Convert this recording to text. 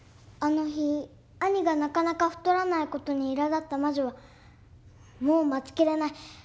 あの日兄がなかなか太らない事にいらだった魔女は「もう待ちきれない！